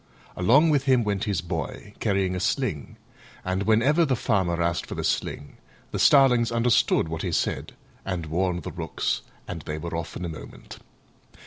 Along with him went his Boy, carrying a sling: and whenever the Farmer asked for the sling the starlings understood what he said and warned the Rooks and they were off in a moment.